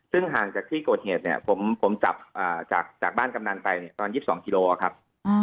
ซึ่งห่างจากที่โกรธเหตุเนี่ยผมจับจากบ้านกำดันไป๒๒คิโลกรัมครับ